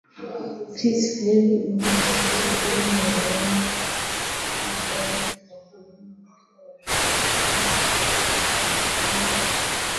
Chris Farley - Undi museke uremereye wo muri SNL wahuye nimpanuka ibabaje mumwaka wa afite imyaka .